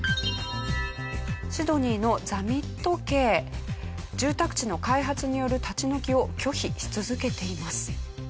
シドニーのザミット家住宅地の開発による立ち退きを拒否し続けています。